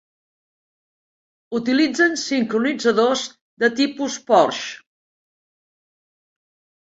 Utilitzen sincronitzadors de tipus Porsche.